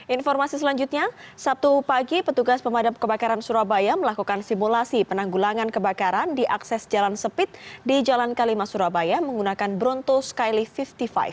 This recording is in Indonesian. informasi selanjutnya sabtu pagi petugas pemadam kebakaran surabaya melakukan simulasi penanggulangan kebakaran di akses jalan sepit di jalan kalima surabaya menggunakan bronto skylif lima puluh lima